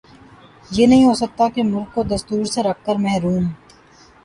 یہ نہیں ہو سکتا کہ ملک کو دستور سےرکھ کر محروم